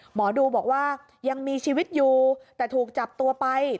หมอดูบอกว่ายังมีชีวิตอยู่แต่ถูกจับตัวไป